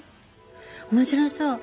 面白そう。